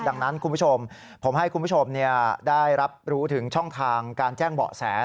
ดังนั้นคุณผู้ชมผมให้คุณผู้ชมได้รับรู้ถึงช่องทางการแจ้งเบาะแส